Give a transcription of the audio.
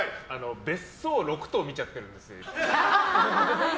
別荘を６棟見ちゃってるんですよ。